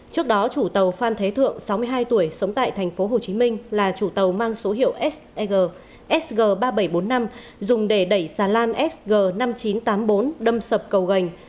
trước đó chủ tàu phan thế thượng sáu mươi hai tuổi sống tại tp hcm là chủ tàu mang số hiệu sg sg ba nghìn bảy trăm bốn mươi năm dùng để đẩy xà lan sg năm nghìn chín trăm tám mươi bốn đâm sập cầu gành